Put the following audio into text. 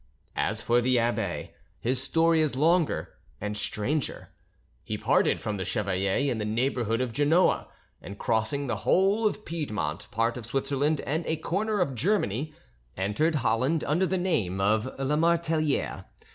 As for the abbe, his story is longer and stranger. He parted from the chevalier in the neighbourhood of Genoa, and crossing the whole of Piedmont, part of Switzerland, and a corner of Germany, entered Holland under the name of Lamartelliere.